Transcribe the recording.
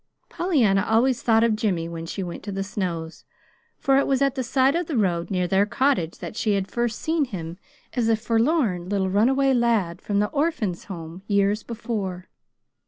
Pollyanna always thought of Jimmy when she went to the Snows', for it was at the side of the road near their cottage that she had first seen him as a forlorn little runaway lad from the Orphans' Home years before.